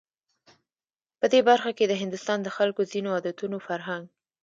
په دې برخه کې د هندوستان د خلکو ځینو عادتونو، فرهنک